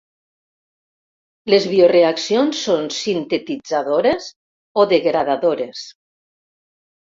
Les bioreaccions són sintetitzadores o degradadores.